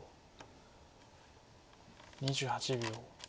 ２８秒。